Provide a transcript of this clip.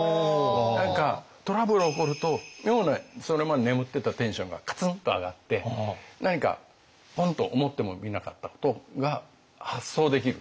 何かトラブル起こると妙なそれまで眠ってたテンションがカツンと上がって何かポンと思ってもみなかったことが発想できるっていう。